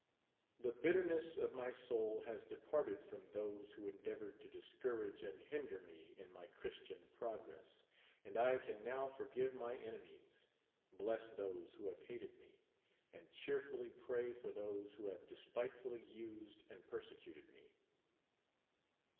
The bitterness of my soul has departed from those who endeavored to dis courage and hinder me in ray Christian progress : and I can now forgive my enemies, bless those who have hated me, and cheerfully pray for those who have despitefuUy used and persecuted me.